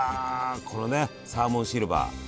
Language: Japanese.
これねサーモンシルバー。